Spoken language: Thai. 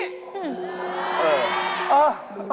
เฮ่ยเอ้อ